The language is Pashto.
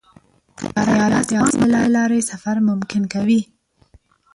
طیاره د اسمان له لارې سفر ممکن کوي.